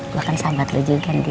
gue kan sahabat lo juga ndi